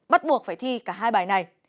bắt buộc phải thi cả hai bài này